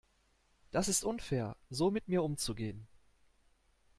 Das ist unfair, so mit mir umzugehen.